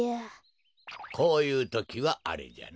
こういうときはあれじゃな。